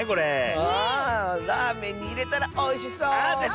あラーメンにいれたらおいしそう！